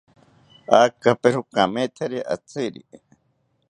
Akapero kamethari atziri